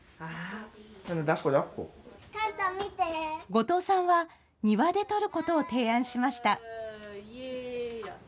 後藤さんは庭で撮ることを提案しました。